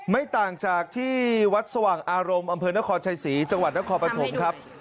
ไม่ต่างจากที่วัดสว่างอารมณ์อำเภอนครชัยศรีจังหวัดนครปฐมครับ